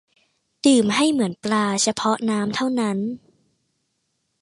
ดื่มให้เหมือนปลา เฉพาะน้ำเท่านั้น